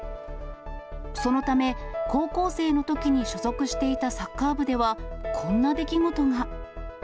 そのため、高校生のときに所属していたサッカー部では、こんな出来事が。